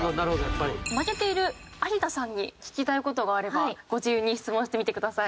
負けている有田さんに聞きたい事があればご自由に質問してみてください。